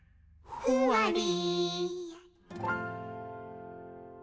「ふわり」